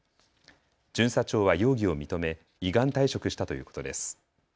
巡査長は容疑を認め依願退職したということです。